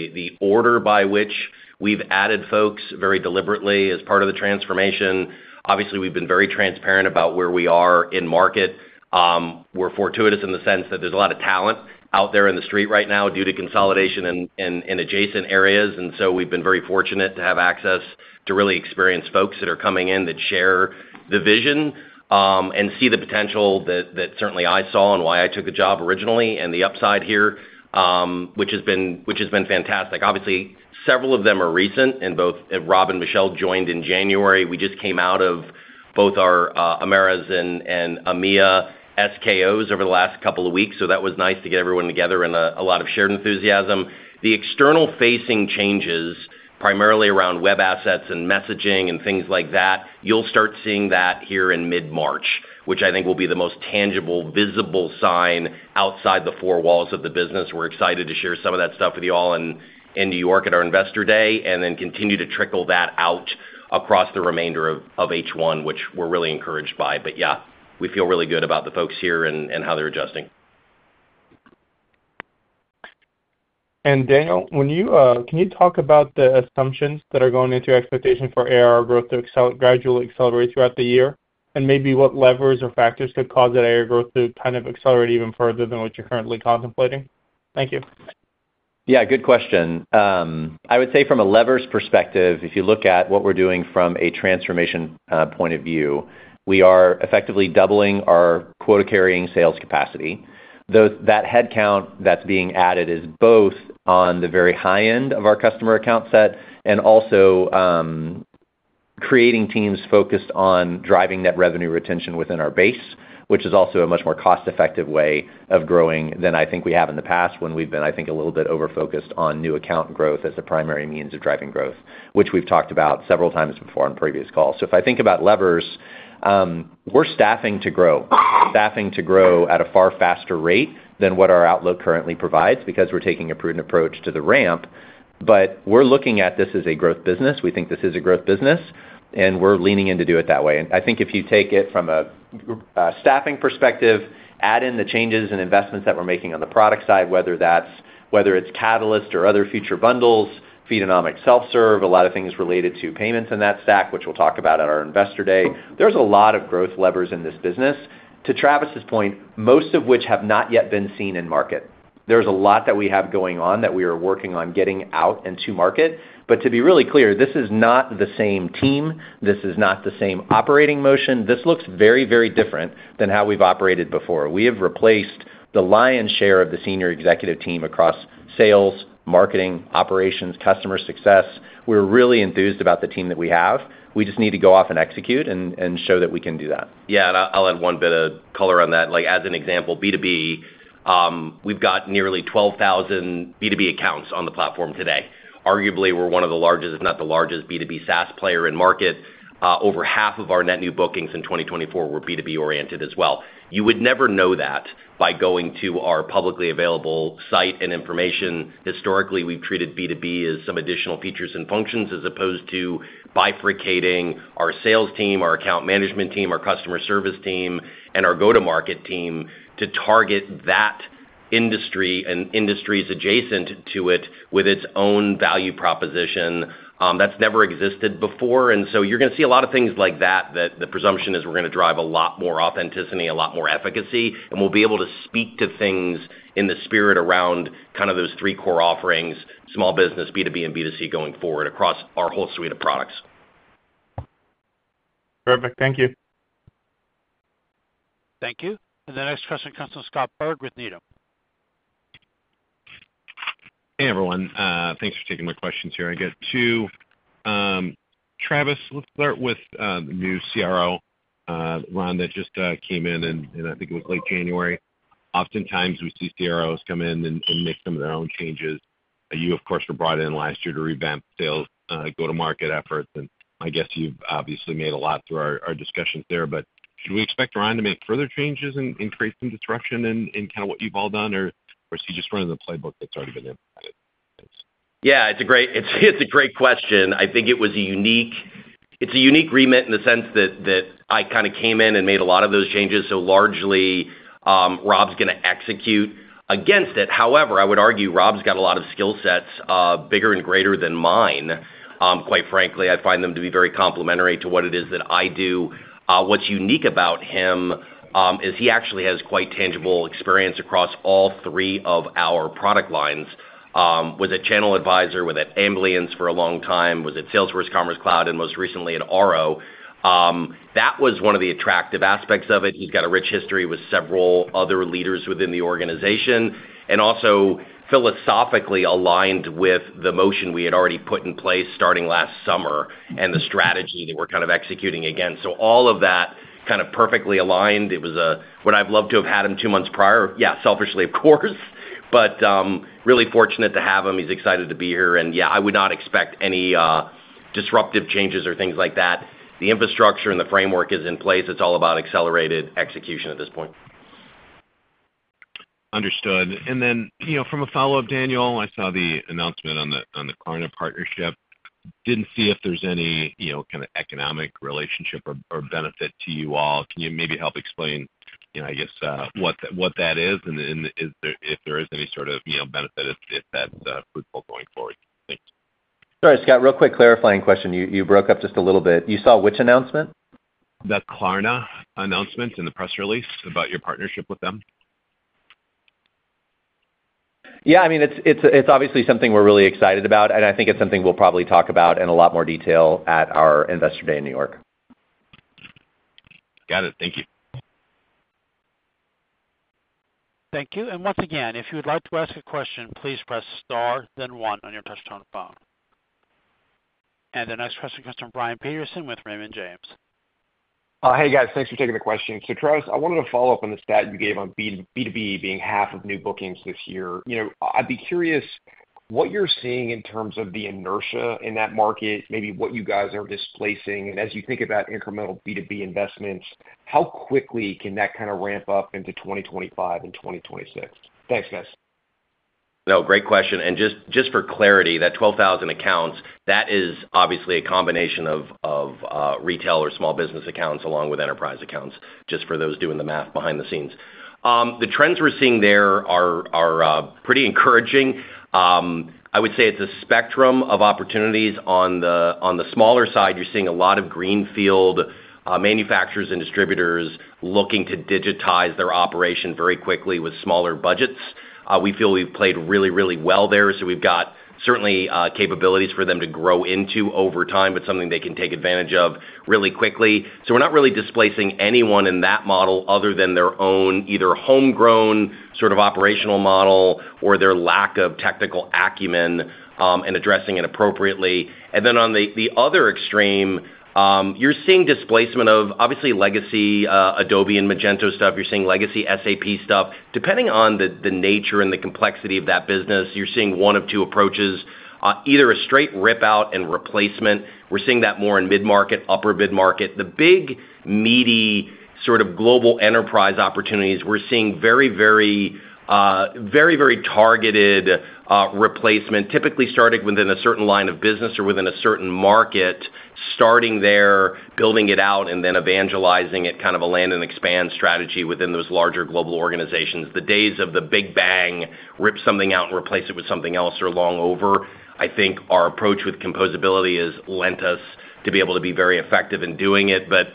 the order by which we've added folks very deliberately as part of the transformation. Obviously, we've been very transparent about where we are in the market. We're fortuitous in the sense that there's a lot of talent out there in the street right now due to consolidation in adjacent areas. And so we've been very fortunate to have access to really experienced folks that are coming in that share the vision and see the potential that certainly I saw and why I took the job originally and the upside here, which has been fantastic. Obviously, several of them are recent and both Rob and Michelle joined in January. We just came out of both our Americas and EMEA SKOs over the last couple of weeks. So that was nice to get everyone together and a lot of shared enthusiasm. The external facing changes primarily around web assets and messaging and things like that, you'll start seeing that here in mid-March, which I think will be the most tangible, visible sign outside the four walls of the business. We're excited to share some of that stuff with you all in New York at our Investor Day and then continue to trickle that out across the remainder of H1, which we're really encouraged by. But yeah, we feel really good about the folks here and how they're adjusting. Daniel, can you talk about the assumptions that are going into your expectation for ARR growth to gradually accelerate throughout the year? And maybe what levers or factors could cause that ARR growth to kind of accelerate even further than what you're currently contemplating? Thank you. Yeah, good question. I would say from a levers perspective, if you look at what we're doing from a transformation point of view, we are effectively doubling our quota-carrying sales capacity. That headcount that's being added is both on the very high end of our customer account set and also creating teams focused on driving net revenue retention within our base, which is also a much more cost-effective way of growing than I think we have in the past when we've been, I think, a little bit over-focused on new account growth as a primary means of driving growth, which we've talked about several times before on previous calls. So if I think about levers, we're staffing to grow. Staffing to grow at a far faster rate than what our outlook currently provides because we're taking a prudent approach to the ramp. But we're looking at this as a growth business. We think this is a growth business, and we're leaning in to do it that way. And I think if you take it from a staffing perspective, add in the changes and investments that we're making on the product side, whether it's Catalyst or other future bundles, Feedonomics Self-Serve, a lot of things related to payments in that stack, which we'll talk about at our Investor Day. There's a lot of growth levers in this business. To Travis's point, most of which have not yet been seen in market. There's a lot that we have going on that we are working on getting out into market. But to be really clear, this is not the same team. This is not the same operating motion. This looks very, very different than how we've operated before. We have replaced the lion's share of the senior executive team across sales, marketing, operations, customer success. We're really enthused about the team that we have. We just need to go off and execute and show that we can do that. Yeah, and I'll add one bit of color on that. As an example, B2B, we've got nearly 12,000 B2B accounts on the platform today. Arguably, we're one of the largest, if not the largest B2B SaaS player in market. Over half of our net new bookings in 2024 were B2B oriented as well. You would never know that by going to our publicly available site and information. Historically, we've treated B2B as some additional features and functions as opposed to bifurcating our sales team, our account management team, our customer service team, and our go-to-market team to target that industry and industries adjacent to it with its own value proposition. That's never existed before, and so you're going to see a lot of things like that. The presumption is we're going to drive a lot more authenticity, a lot more efficacy, and we'll be able to speak to things in the spirit around kind of those three core offerings, small business, B2B, and B2C going forward across our whole suite of products. Perfect. Thank you. Thank you. The next question comes from Scott Berg with Needham. Hey, everyone. Thanks for taking my questions here. I got two. Travis, let's start with the new CRO, Rob, that just came in, and I think it was late January. Oftentimes, we see CROs come in and make some of their own changes. You, of course, were brought in last year to revamp sales go-to-market efforts, and I guess you've obviously made a lot through our discussions there, but should we expect Rob to make further changes and create some disruption in kind of what you've all done, or is he just running the playbook that's already been implemented? Yeah, it's a great question. I think it was a unique remit in the sense that I kind of came in and made a lot of those changes. So largely, Rob's going to execute against it. However, I would argue Rob's got a lot of skill sets bigger and greater than mine. Quite frankly, I find them to be very complementary to what it is that I do. What's unique about him is he actually has quite tangible experience across all three of our product lines. Was at ChannelAdvisor, was at Amplience for a long time, was at Salesforce Commerce Cloud, and most recently at Oro. That was one of the attractive aspects of it. He's got a rich history with several other leaders within the organization and also philosophically aligned with the motion we had already put in place starting last summer and the strategy that we're kind of executing against. So all of that kind of perfectly aligned. It was what I've loved to have had him two months prior. Yeah, selfishly, of course, but really fortunate to have him. He's excited to be here. And yeah, I would not expect any disruptive changes or things like that. The infrastructure and the framework is in place. It's all about accelerated execution at this point. Understood. And then from a follow-up, Daniel, I saw the announcement on the Klarna partnership. Didn't see if there's any kind of economic relationship or benefit to you all. Can you maybe help explain, I guess, what that is and if there is any sort of benefit if that's fruitful going forward? Thanks. Sorry, Scott, real quick clarifying question. You broke up just a little bit. You saw which announcement? The Klarna announcement in the press release about your partnership with them? Yeah. I mean, it's obviously something we're really excited about, and I think it's something we'll probably talk about in a lot more detail at our Investor Day in New York. Got it. Thank you. Thank you. And once again, if you would like to ask a question, please press star, then one on your touch-tone phone. And the next question comes from Brian Peterson with Raymond James. Hey, guys. Thanks for taking the question. So Travis, I wanted to follow up on the stat you gave on B2B being half of new bookings this year. I'd be curious what you're seeing in terms of the inertia in that market, maybe what you guys are displacing. And as you think about incremental B2B investments, how quickly can that kind of ramp up into 2025 and 2026? Thanks, guys. No, great question, and just for clarity, that 12,000 accounts, that is obviously a combination of retail or small business accounts along with enterprise accounts, just for those doing the math behind the scenes. The trends we're seeing there are pretty encouraging. I would say it's a spectrum of opportunities. On the smaller side, you're seeing a lot of greenfield manufacturers and distributors looking to digitize their operation very quickly with smaller budgets. We feel we've played really, really well there, so we've got certainly capabilities for them to grow into over time, but something they can take advantage of really quickly, so we're not really displacing anyone in that model other than their own either homegrown sort of operational model or their lack of technical acumen and addressing it appropriately, and then on the other extreme, you're seeing displacement of obviously legacy Adobe and Magento stuff. You're seeing legacy SAP stuff. Depending on the nature and the complexity of that business, you're seeing one of two approaches: either a straight rip-out and replacement. We're seeing that more in mid-market, upper mid-market. The big meaty sort of global enterprise opportunities, we're seeing very, very targeted replacement, typically starting within a certain line of business or within a certain market, starting there, building it out, and then evangelizing it, kind of a land and expand strategy within those larger global organizations. The days of the big bang, rip something out and replace it with something else are long over. I think our approach with composability has lent us to be able to be very effective in doing it. But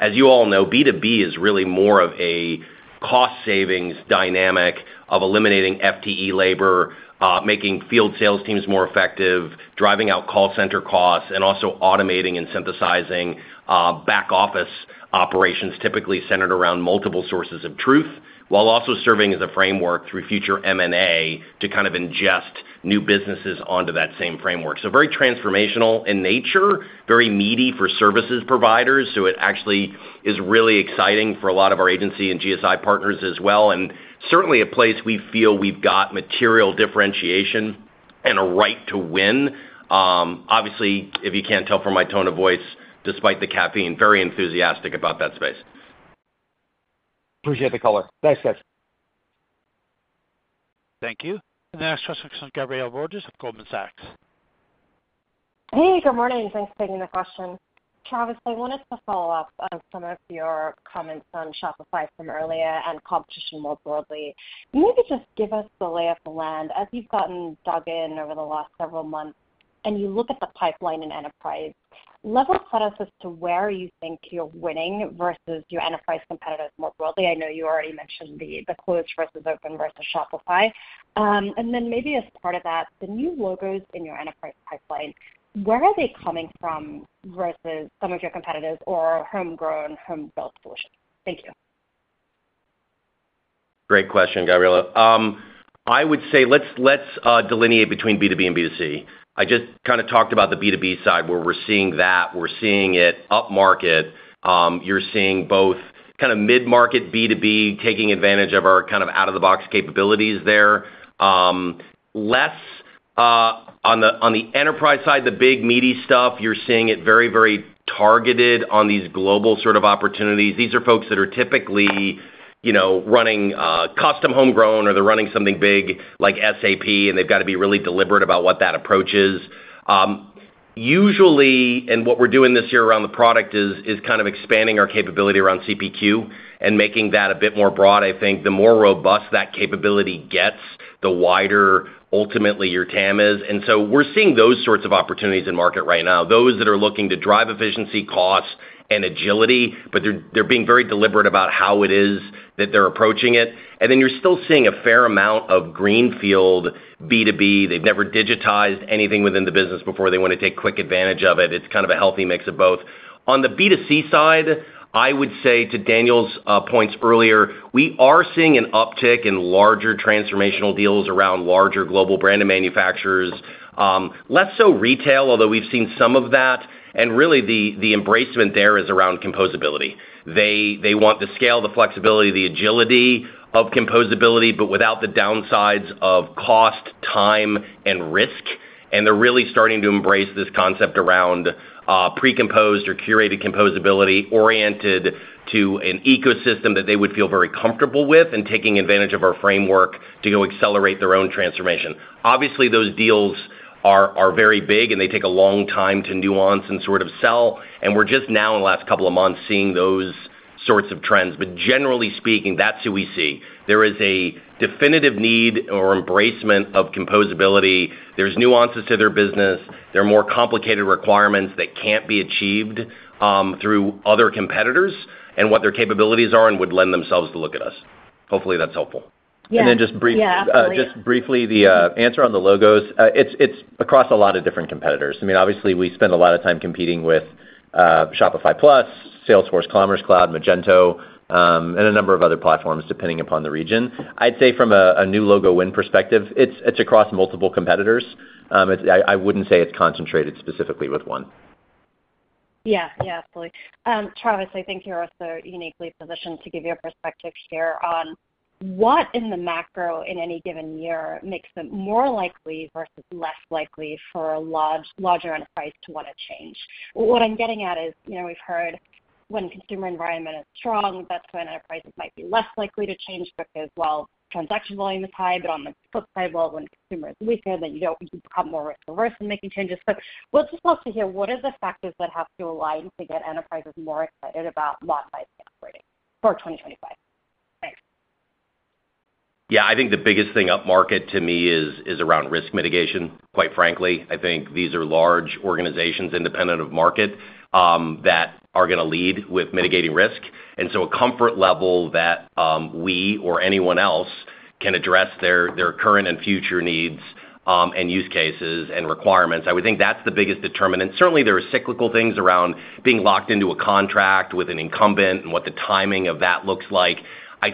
as you all know, B2B is really more of a cost-savings dynamic of eliminating FTE labor, making field sales teams more effective, driving out call center costs, and also automating and synthesizing back-office operations typically centered around multiple sources of truth, while also serving as a framework through future M&A to kind of ingest new businesses onto that same framework. So very transformational in nature, very meaty for services providers. So it actually is really exciting for a lot of our agency and GSI partners as well, and certainly a place we feel we've got material differentiation and a right to win. Obviously, if you can't tell from my tone of voice, despite the caffeine, very enthusiastic about that space. Appreciate the color. Thanks, guys. Thank you. And the next question comes from Gabriela Borges of Goldman Sachs. Hey, good morning. Thanks for taking the question. Travis, I wanted to follow up on some of your comments on Shopify from earlier and competition more broadly. Maybe just give us the lay of the land. As you've gotten dug in over the last several months and you look at the pipeline in enterprise, level set us as to where you think you're winning versus your enterprise competitors more broadly. I know you already mentioned the closed versus open versus Shopify. And then maybe as part of that, the new logos in your enterprise pipeline, where are they coming from versus some of your competitors or homegrown solutions? Thank you. Great question, Gabriela. I would say let's delineate between B2B and B2C. I just kind of talked about the B2B side where we're seeing that. We're seeing it up market. You're seeing both kind of mid-market B2B taking advantage of our kind of out-of-the-box capabilities there. Less on the enterprise side, the big meaty stuff, you're seeing it very, very targeted on these global sort of opportunities. These are folks that are typically running custom homegrown or they're running something big like SAP, and they've got to be really deliberate about what that approach is. Usually, and what we're doing this year around the product is kind of expanding our capability around CPQ and making that a bit more broad. I think the more robust that capability gets, the wider ultimately your TAM is. And so we're seeing those sorts of opportunities in market right now, those that are looking to drive efficiency, cost, and agility, but they're being very deliberate about how it is that they're approaching it. And then you're still seeing a fair amount of greenfield B2B. They've never digitized anything within the business before. They want to take quick advantage of it. It's kind of a healthy mix of both. On the B2C side, I would say to Daniel's points earlier, we are seeing an uptick in larger transformational deals around larger global brand and manufacturers. Less so retail, although we've seen some of that. And really, the embracement there is around composability. They want the scale, the flexibility, the agility of composability, but without the downsides of cost, time, and risk. And they're really starting to embrace this concept around pre-composed or curated composability oriented to an ecosystem that they would feel very comfortable with and taking advantage of our framework to go accelerate their own transformation. Obviously, those deals are very big, and they take a long time to nuance and sort of sell. And we're just now in the last couple of months seeing those sorts of trends. But generally speaking, that's who we see. There is a definitive need or embracement of composability. There's nuances to their business. There are more complicated requirements that can't be achieved through other competitors and what their capabilities are and would lend themselves to look at us. Hopefully, that's helpful. Yeah. And then, just briefly, the answer on the logos, it's across a lot of different competitors. I mean, obviously, we spend a lot of time competing with Shopify Plus, Salesforce Commerce Cloud, Magento, and a number of other platforms depending upon the region. I'd say from a new logo win perspective, it's across multiple competitors. I wouldn't say it's concentrated specifically with one. Yeah. Yeah, absolutely. Travis, I think you're also uniquely positioned to give your perspective here on what in the macro in any given year makes them more likely versus less likely for a larger enterprise to want to change. What I'm getting at is we've heard when consumer environment is strong, that's when enterprises might be less likely to change because while transaction volume is high, but on the flip side, while when consumer is weaker, then you become more risk-averse in making changes. But we'll just love to hear what are the factors that have to align to get enterprises more excited about modernizing operating for 2025? Yeah. I think the biggest thing up market to me is around risk mitigation, quite frankly. I think these are large organizations independent of market that are going to lead with mitigating risk and so a comfort level that we or anyone else can address their current and future needs and use cases and requirements. I would think that's the biggest determinant. Certainly, there are cyclical things around being locked into a contract with an incumbent and what the timing of that looks like. I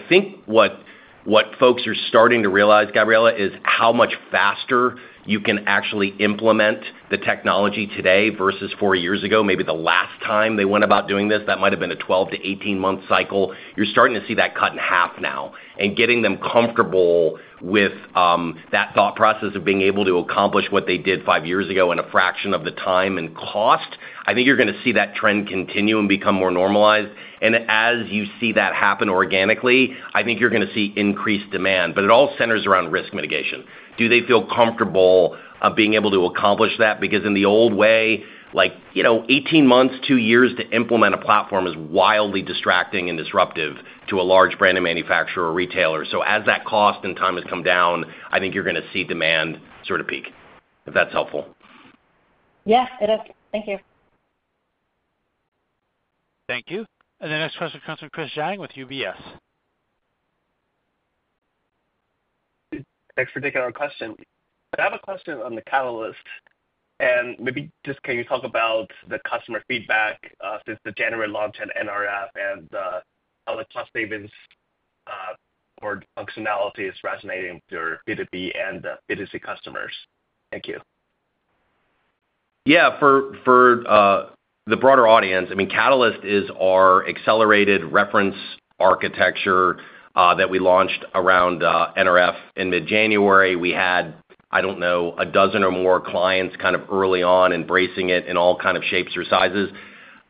think what folks are starting to realize, Gabriela, is how much faster you can actually implement the technology today versus four years ago. Maybe the last time they went about doing this, that might have been a 12 months-18-months cycle. You're starting to see that cut in half now. Getting them comfortable with that thought process of being able to accomplish what they did five years ago in a fraction of the time and cost, I think you're going to see that trend continue and become more normalized. As you see that happen organically, I think you're going to see increased demand. It all centers around risk mitigation. Do they feel comfortable being able to accomplish that? Because in the old way, 18 months, two years to implement a platform is wildly distracting and disruptive to a large brand and manufacturer or retailer. As that cost and time has come down, I think you're going to see demand sort of peak, if that's helpful. Yeah, it is. Thank you. Thank you. And the next question comes from Chris Zhang with UBS. Thanks for taking our question. I have a question on the Catalyst, and maybe just can you talk about the customer feedback since the January launch at NRF and how the cost savings or functionality is resonating with your B2B and B2C customers? Thank you. Yeah. For the broader audience, I mean, Catalyst is our accelerated reference architecture that we launched around NRF in mid-January. We had, I don't know, a dozen or more clients kind of early on embracing it in all kinds of shapes or sizes.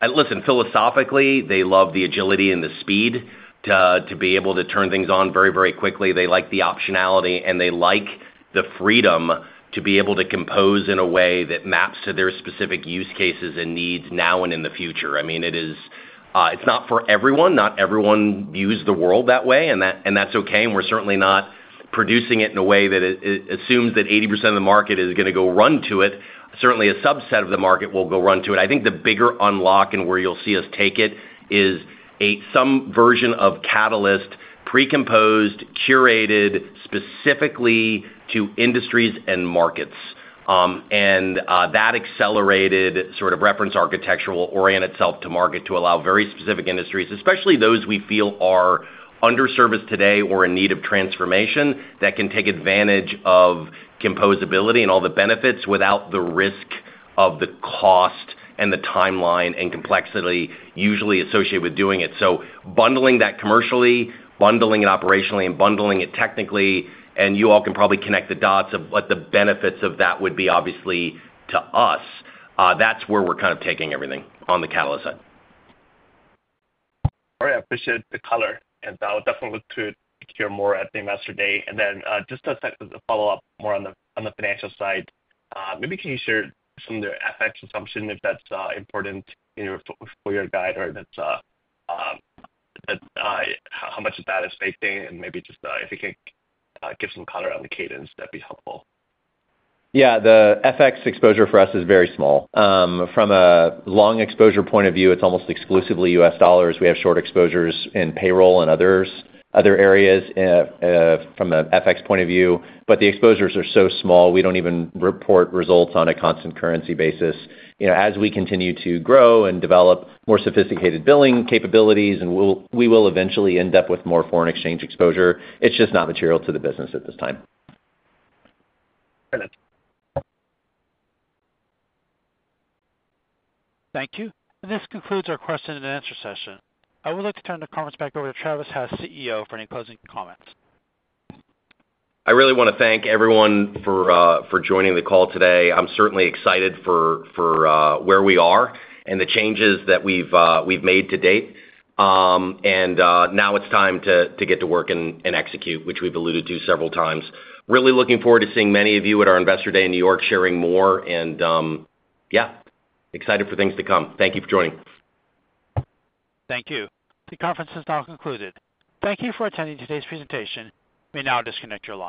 Listen, philosophically, they love the agility and the speed to be able to turn things on very, very quickly. They like the optionality, and they like the freedom to be able to compose in a way that maps to their specific use cases and needs now and in the future. I mean, it's not for everyone. Not everyone views the world that way, and that's okay. And we're certainly not producing it in a way that assumes that 80% of the market is going to go run to it. Certainly, a subset of the market will go run to it. I think the bigger unlock and where you'll see us take it is some version of Catalyst pre-composed, curated specifically to industries and markets, and that accelerated sort of reference architecture will orient itself to market to allow very specific industries, especially those we feel are under-serviced today or in need of transformation, that can take advantage of composability and all the benefits without the risk of the cost and the timeline and complexity usually associated with doing it, so bundling that commercially, bundling it operationally, and bundling it technically, and you all can probably connect the dots of what the benefits of that would be, obviously, to us. That's where we're kind of taking everything on the Catalyst side. All right. I appreciate the color. And I'll definitely look to hear more at the Investor Day. And then just a follow-up more on the financial side. Maybe can you share some of the FX assumption, if that's important for your guide, or how much of that is faith-based? And maybe just if you can give some color on the cadence, that'd be helpful. Yeah. The FX exposure for us is very small. From a long exposure point of view, it's almost exclusively U.S. dollars. We have short exposures in payroll and other areas from an FX point of view. But the exposures are so small, we don't even report results on a constant currency basis. As we continue to grow and develop more sophisticated billing capabilities, we will eventually end up with more foreign exchange exposure. It's just not material to the business at this time. Thank you. This concludes our question and answer session. I would like to turn the conference back over to Travis Hess, CEO, for any closing comments. I really want to thank everyone for joining the call today. I'm certainly excited for where we are and the changes that we've made to date, and now it's time to get to work and execute, which we've alluded to several times. Really looking forward to seeing many of you at our Investor Day in New York sharing more, and yeah, excited for things to come. Thank you for joining. Thank you. The conference is now concluded. Thank you for attending today's presentation. We now disconnect your line.